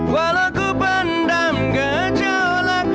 walau ku pendam gejolak